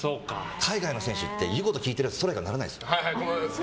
海外の選手っていうこと聞いてるやつストライカーにならないですから。